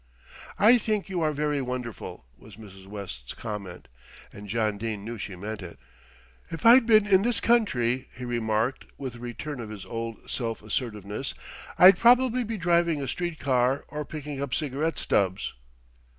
"I think you are very wonderful," was Mrs. West's comment, and John Dene knew she meant it. "If I'd been in this country," he remarked with a return of his old self assertiveness, "I'd probably be driving a street car, or picking up cigarette stubs."